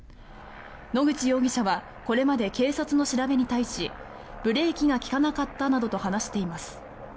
野口容疑者はこれまで警察の調べに対しブレーキが利かなかったなどと話しています。